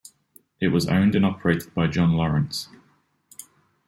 It was owned and operated by John Lawrence.